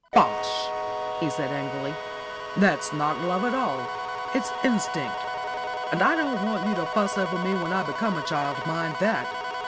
"Bosh!" he said angrily. "That's not love at all; it's instinct. And I don't want you to fuss over me when I become a child, mind that.